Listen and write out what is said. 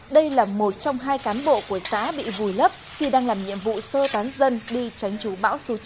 đây là một trong hai cán bộ của xã bị vùi lấp khi đang làm nhiệm vụ sơ tán dân đi tránh trú bão số chín